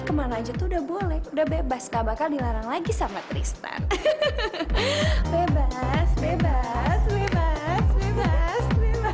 kemana aja tuh udah boleh udah bebas gak bakal dilarang lagi sama tristan bebas bebas